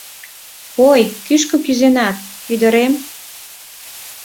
— Ой, кӱшкӧ кӱзенат, ӱдырем!